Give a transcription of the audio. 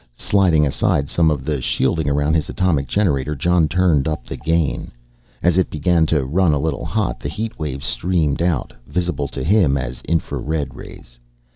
Sliding aside some of the shielding around his atomic generator, Jon turned up the gain. As it began to run a little hot the heat waves streamed out visible to him as infra red rays.